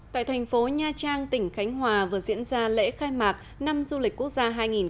tại thành phố nha trang tỉnh khánh hòa vừa diễn ra lễ khai mạc năm du lịch quốc gia hai nghìn hai mươi bốn